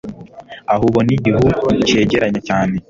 aho ubona igihu cyegeranya cyane